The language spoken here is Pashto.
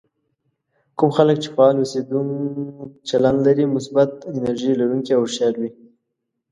کوم خلک چې فعال اوسېدو چلند لري مثبت، انرژي لرونکي او هوښيار وي.